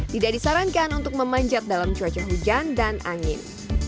tidak disarankan untuk memanjat dalam cuaca hujan dan angin